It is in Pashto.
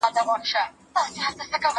سیسټم ته اپلوډ کړي دي،